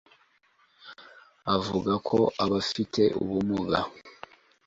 Avuga ko abafite ubumuga